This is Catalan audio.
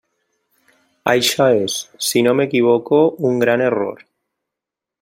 Això és, si no m'equivoco, un gran error.